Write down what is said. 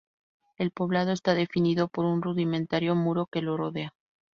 El poblado está definido por un rudimentario muro que lo rodea.